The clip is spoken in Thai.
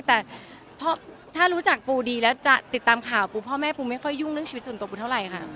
แต่ถ้ารู้จักปูดีแล้วจะติดตามข่าวปูพ่อแม่ปูไม่ค่อยยุ่งเรื่องชีวิตส่วนตัวปูเท่าไหร่ค่ะ